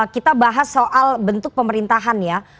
kita bahas soal bentuk pemerintahan ya